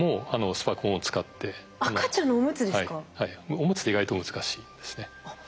おむつって意外と難しいんですね。